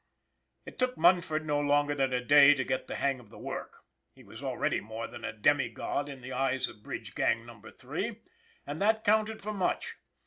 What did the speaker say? It took Munford no longer than a day to get the hang of the work. He was already more than a demi god in the eyes of Bridge Gang No. 3, and that counted for much.